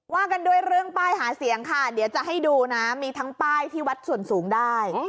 กันด้วยเรื่องป้ายหาเสียงค่ะเดี๋ยวจะให้ดูนะมีทั้งป้ายที่วัดส่วนสูงได้